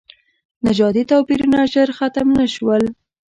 نژادي توپیرونه ژر ختم نه شول.